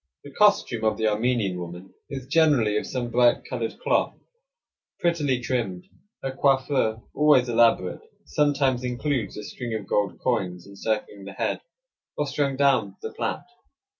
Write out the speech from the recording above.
The costume of the Armenian woman is generally of some bright colored cloth, prettily trimmed. Her coiffure, always elaborate, sometimes includes a string of gold coins, encircling the head, or strung down the plait.